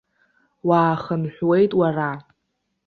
Уаахынҳәуеит уара.